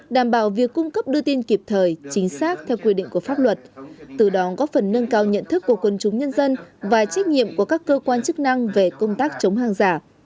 đảm bảo việc cung cấp đưa tin kịp thời chính xác theo quy định của pháp luật từ đó góp phần nâng cao nhận thức của quân chúng nhân dân và trách nhiệm của các cơ quan chức năng về công tác chống hàng giả